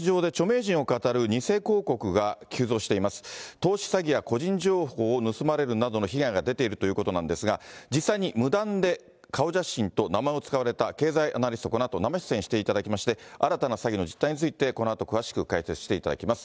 投資詐欺や個人情報を盗まれるなどの被害が出ているということなんですが、実際に無断で顔写真と名前を使われた経済アナリスト、このあと生出演していただきまして、新たな詐欺の実態について、このあと詳しく解説していただきます。